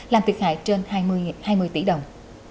làm việc hại trên hai mươi tỷ đồng